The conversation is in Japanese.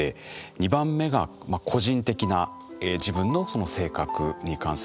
２番目が個人的な自分のその性格に関するものだとか。